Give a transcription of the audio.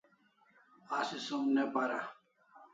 Asi som ne para